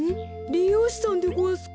りようしさんでごわすか。